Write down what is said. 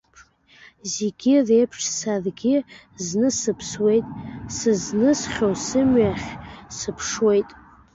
Зегь реиԥш, саргьы зны сыԥсуеит, сызнысхьоу сымҩахь сыԥшуеит.